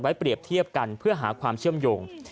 เปรียบเทียบกันเพื่อหาความเชื่อมโยง